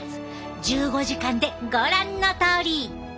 １５時間でご覧のとおり。